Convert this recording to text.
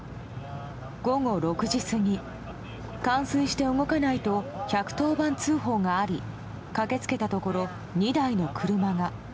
午後６時過ぎ冠水して動かないと１１０番通報があり駆け付けたところ２台の車が。